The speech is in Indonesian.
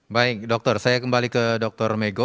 baik dokter saya kembali ke dokter megho